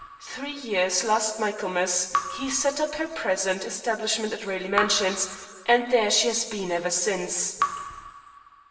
Three years last Michaelmas she set up her present establishment at Raleigh Mansions, and there she has been ever since."